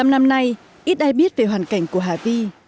bảy mươi năm năm nay ít ai biết về hoàn cảnh của hà vi